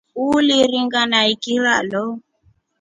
Uliringa na ikira lo.